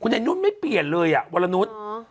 คุณแห่งนุ่นไม่เปลี่ยนเลยอ่ะวัลนุ่นอ๋อ